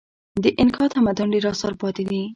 د اینکا تمدن ډېر اثار پاتې دي.